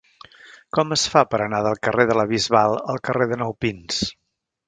Com es fa per anar del carrer de la Bisbal al carrer de Nou Pins?